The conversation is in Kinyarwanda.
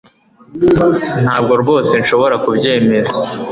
Ntabwo rwose nshobora kubyemera